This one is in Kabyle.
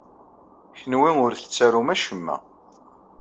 Kenwi ur tettarum acemma.